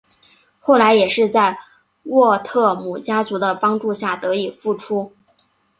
后来也是在沃特姆家族的帮助下得以复出。